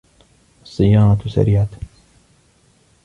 السَّيَّارَةُ سَرِيعَةٌ.